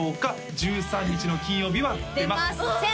「１３日の金曜日」は出ます出ません！